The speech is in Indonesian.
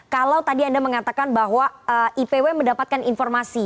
kalau tadi anda mengatakan bahwa ipw mendapatkan informasi